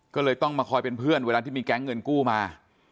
ก็เลยต้องมาคอยเป็นเพื่อนเวลาที่มีแก๊งเงินกู้มา